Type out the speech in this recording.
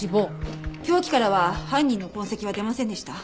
凶器からは犯人の痕跡は出ませんでした。